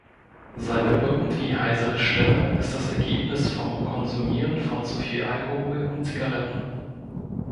Seine irgendwie heisere Stimme ist das Ergebnis vom Konsumieren von zu viel Alkohol und Zigaretten.